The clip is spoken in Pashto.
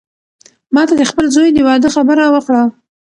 ما ته د خپل زوی د واده خبره وکړه.